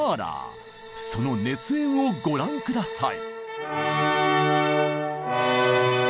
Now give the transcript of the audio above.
その熱演をご覧下さい。